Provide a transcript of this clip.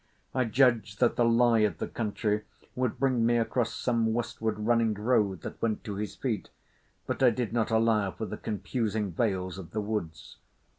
I judged that the lie of the country would bring me across some westward running road that went to his feet, but I did not allow for the confusing veils of the woods.